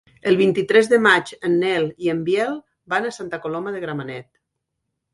El vint-i-tres de maig en Nel i en Biel van a Santa Coloma de Gramenet.